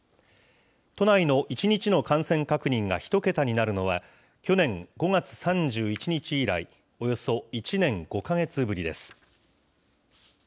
都内の１日の感染確認が１桁になるのは、去年５月３１日以来、およそ１年５か月ぶりです。